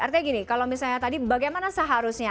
artinya gini kalau misalnya tadi bagaimana seharusnya